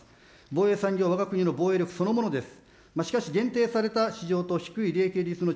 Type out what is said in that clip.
防衛産業はわが国の防衛力そのものです。